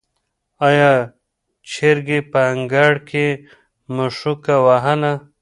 آیا چرګې په انګړ کې مښوکه وهله؟